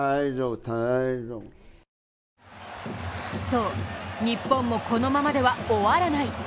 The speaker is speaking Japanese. そう、日本もこのままでは終わらない。